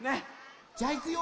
じゃいくよ。